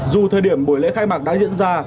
dù thời điểm buổi lễ khai mạc đã diễn ra